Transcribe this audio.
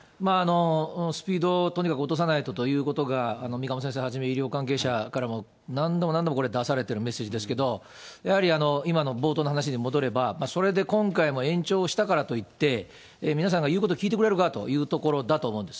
スピードをとにかく落とさないとということが、三鴨先生はじめ、医療関係者の方から何度も何度も出されてるメッセージですけども、やはり今の冒頭の話に戻れば、それで今回も延長したからといって、皆さんが言うこと聞いてくれるかということだと思うんです。